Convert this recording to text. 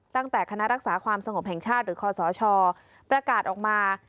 ตั้งแต่คณะรักษาความสงบแห่งชาติหรือคอสชประกาศออกมา